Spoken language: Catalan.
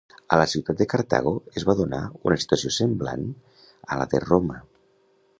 A la ciutat de Cartago es va donar una situació semblant a la de Roma.